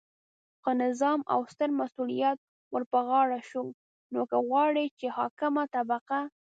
خو نظام او ستر مسؤلیت ورپه غاړه شو، نو که غواړئ چې حاکمه طبقه